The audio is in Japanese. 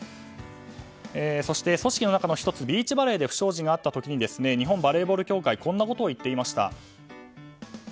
そして、組織の中の１つビーチバレーで不祥事があった時日本バレーボール協会こんなことを言っていました。